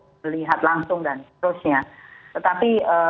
melihat langsung dan seterusnya tetapi